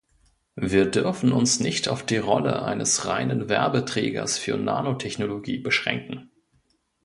Wir dürfen uns nicht auf die Rolle eines reinen Werbeträgers für Nanotechnologie beschränken.